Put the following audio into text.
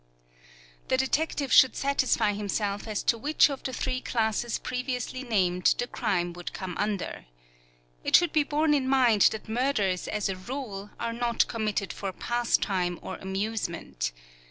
The detective should satisfy himself as to which of the three classes previously named the crime would come under. It should be borne in mind that murders as a rule, are not committed for pastime or amusement.